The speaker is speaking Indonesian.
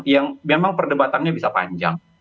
yang memang perdebatannya bisa panjang